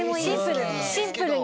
シンプルに。